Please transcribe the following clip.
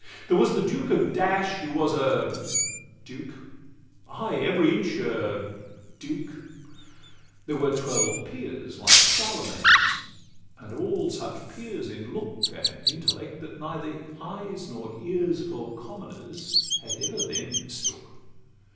LXXXV There was the Duke of Dash, who was a duke, "Ay, every inch a" duke; there were twelve peers Like Charlemagne's and all such peers in look And intellect, that neither eyes nor ears For commoners had ever them mistook.